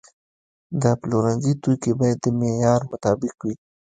د پلورنځي توکي باید د معیار مطابق وي.